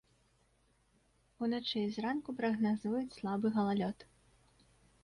Уначы і зранку прагназуюць слабы галалёд.